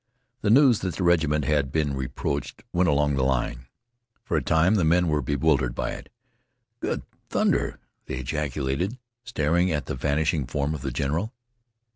The news that the regiment had been reproached went along the line. For a time the men were bewildered by it. "Good thunder!" they ejaculated, staring at the vanishing form of the general.